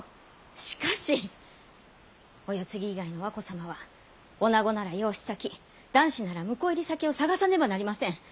しかしお世継ぎ以外の和子様は女子なら養子先男子なら婿入り先を探さねばなりません！